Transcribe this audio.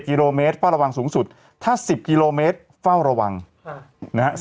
กิโลเมตรเฝ้าระวังสูงสุดถ้า๑๐กิโลเมตรเฝ้าระวังนะฮะ